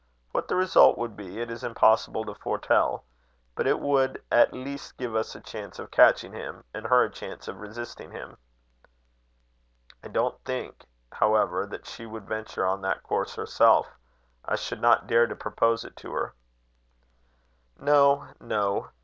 What the result would be, it is impossible to foretell; but it would at least give us a chance of catching him, and her a chance of resisting him." "I don't think, however, that she would venture on that course herself. I should not dare to propose it to her." "No, no.